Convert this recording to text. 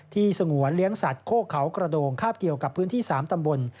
สงวนเลี้ยงสัตว์โคกเขากระโดงคาบเกี่ยวกับพื้นที่๓ตำบล